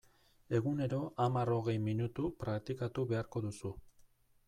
Egunero hamar-hogei minutu praktikatu beharko duzu.